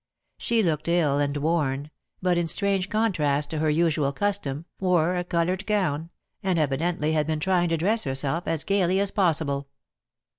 She looked ill and worn, but, in strange contrast to her usual custom, wore a colored gown, and evidently had been trying to dress herself as gaily as possible.